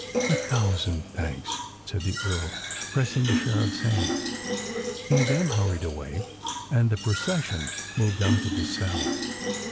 "A thousand thanks!" said the Earl, pressing the Sheriff's hand. He then hurried away; and the procession moved on to the cell.